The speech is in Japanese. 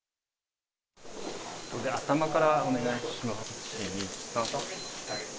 頭からお願いします。